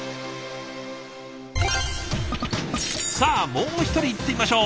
さあもう一人いってみましょう。